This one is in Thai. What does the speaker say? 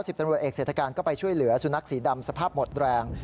ตำรวจเอกเศรษฐการก็ไปช่วยเหลือสุนัขสีดำสภาพหมดแรง